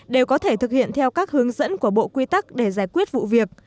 đều có thể thực hiện theo các hướng dẫn của bộ quy tắc để giải quyết vụ việc